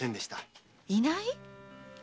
いない？